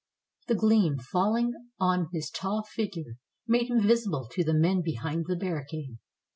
The gleam, falHng on his tall fig ure, made him visible to the men behind the barricade.